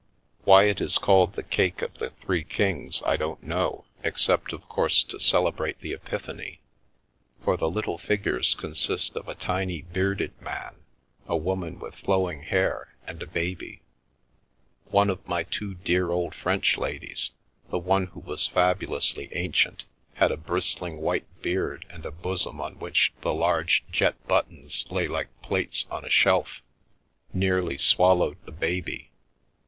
Why it is called the Cake of the Three Kings I don't know (except, 253 The Milky Way of course, to celebrate the Epiphany, for the fitde fig ures consist of a tiny bearded man, a woman with flow ing hair, and a baby. One of my two dear old French ladies (the one who was fabulously ancient, had a bristling white beard and a bosom on which the large jet buttons lay like plates on a shelf) nearly swallowed the baby.